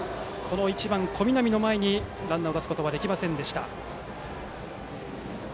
１番、小南の前にランナーを出すことはできませんでした。